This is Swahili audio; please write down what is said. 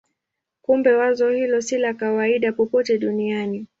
Kumbe wazo hilo si la kawaida popote duniani.